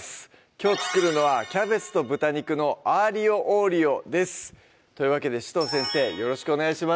きょう作るのは「キャベツと豚肉のアーリオ・オーリオ」ですというわけで紫藤先生よろしくお願いします